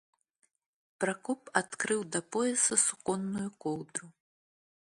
Пракоп адкрыў да пояса суконную коўдру.